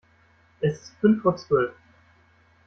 Es ist fünf vor zwölf.